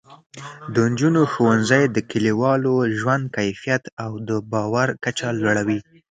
د نجونو ښوونځی د کلیوالو ژوند کیفیت او د باور کچه لوړوي.